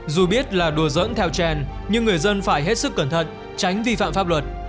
dù biết là đùa dỡn theo chèn nhưng người dân phải hết sức cẩn thận tránh vi phạm pháp luật